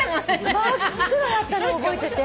真っ黒だったの覚えてて。